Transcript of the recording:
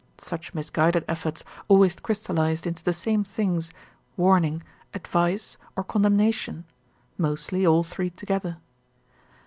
Such misguided efforts always crystallised into the same things, warn ing, advice, or condemnation, mostly all three together.